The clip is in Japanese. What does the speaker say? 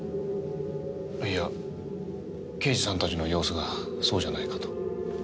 いや刑事さんたちの様子がそうじゃないかと。